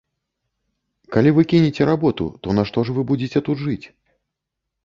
Калі вы кінеце работу, то на што ж вы будзеце тут жыць?